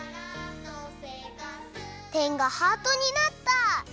てんがハートになった！